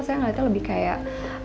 saya ngerasanya lebih kayak